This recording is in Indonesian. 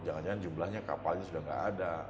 jangan jangan jumlahnya kapalnya sudah tidak ada